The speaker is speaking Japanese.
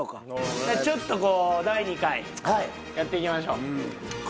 ちょっとこう第２回やっていきましょう。